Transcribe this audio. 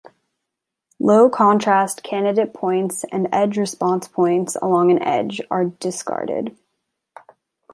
Low contrast candidate points and edge response points along an edge are discarded.